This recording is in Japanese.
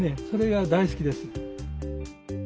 それが大好きです。